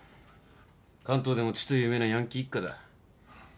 関東でもちと有名なヤンキー一家だ。